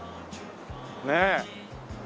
ねえ。